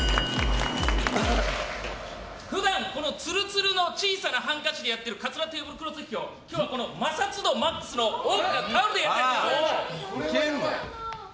普段このツルツルの小さなハンカチでやっているカツラテーブルクロス引きを今日は摩擦度ＭＡＸの大きなタオルでやってみたいと思います。